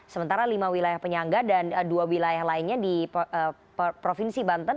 sementara lima wilayah penyangga dan dua wilayah lainnya di provinsi banten